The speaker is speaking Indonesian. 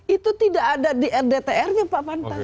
itu tidak ada di rdtr nya pak pantas